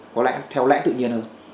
có lẽ theo lẽ tự nhiên hơn